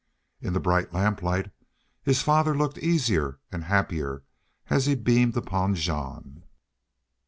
In the bright lamplight his father looked easier and happier as he beamed upon Jean.